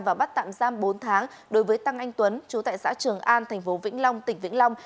và bắt tạm giam bốn tháng đối với tăng anh tuấn chú tại xã trường an thành phố vĩnh long tỉnh vĩnh long